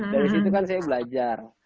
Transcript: dari situ kan saya belajar